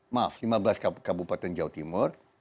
maaf lima belas kabupaten jawa timur